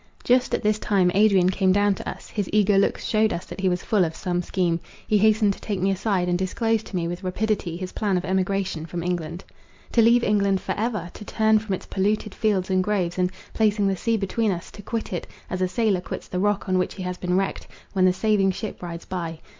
Just at this time Adrian came down to us; his eager looks shewed us that he was full of some scheme. He hastened to take me aside, and disclosed to me with rapidity his plan of emigration from England. To leave England for ever! to turn from its polluted fields and groves, and, placing the sea between us, to quit it, as a sailor quits the rock on which he has been wrecked, when the saving ship rides by.